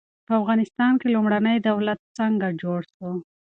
په افغانستان کې لومړنی دولت څنګه جوړ سو؟